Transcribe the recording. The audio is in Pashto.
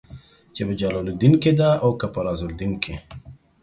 چې په جلال الدين کې ده او که په رازالدين کې.